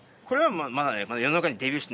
これはまだね。